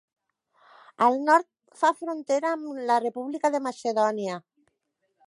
Al nord fa frontera amb la República de Macedònia.